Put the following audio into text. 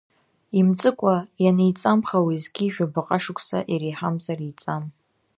Имҵыкәа, ианеиҵамха уеизгьы жәабаҟа шықәса иреиҳамзар еиҵам.